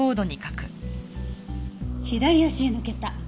左足へ抜けた。